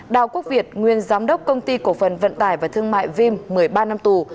đào quốc việt nguyên giám đốc công ty cổ phần vận tải và thương mại vim một mươi ba năm tù